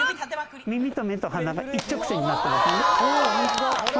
耳と目と鼻が、一直線になってません？